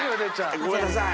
ごめんなさい。